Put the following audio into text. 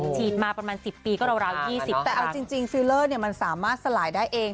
อ๋อฉีดมาประมาณสิบปีก็ราวราวยี่สิบครั้งแต่เอาจริงจริงฟิลเลอร์เนี้ยมันสามารถสลายได้เอง